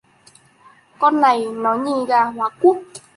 Con này nó nhìn gà hóa quốc